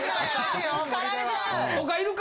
他いるか？